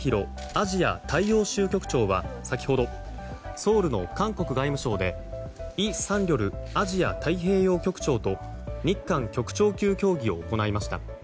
アジア大洋州局長は先ほど、ソウルの韓国外務省でイ・サンリョルアジア太平洋局長と日韓局長級協議を行いました。